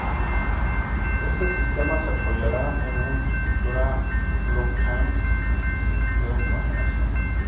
Este sistema se apoyará en una infraestructura blockchain de última generación.